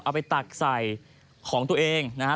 ไปตักใส่ของตัวเองนะฮะ